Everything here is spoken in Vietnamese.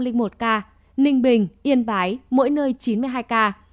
ninh bình yên bái mỗi nơi chín ca